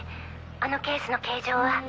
あのケースの形状は。